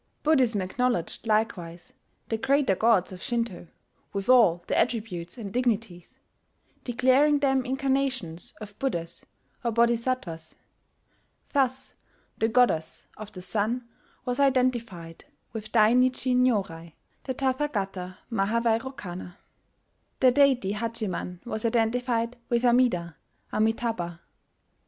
Buddhism acknowledged likewise the greater gods of Shinto, with all their attributes and dignities, declaring them incarnations of Buddhas or Bodhisattvas: thus the goddess of the sun was identified with Dai Nichi Nyorai (the Tathagata Mahavairokana); the deity Hachiman was identified with Amida (Amitabha).